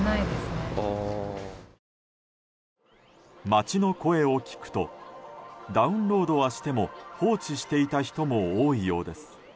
街の声を聞くとダウンロードはしても放置していた人も多いようです。